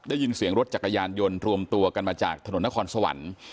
ได้ยินเสียงรถจักรยานยนต์รวมตัวกันมาจากถนนนครสวรรค์